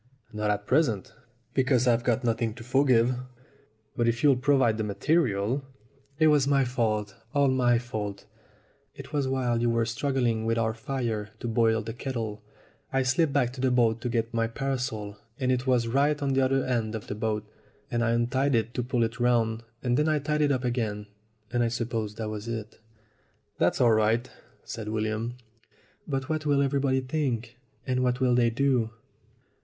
"Not at present, because I've got nothing to forgive. But if you'll provide the material " "It was my fault all my fault. It was while you were struggling with our fire to boil the kettle. I slipped back to the boat to get my parasol, and it was right at the other end of the boat; and I untied it to pull it round, and then I tied it up again, and I suppose that was it." "That's all right," said William. "But what will everybody think? And what will they do?"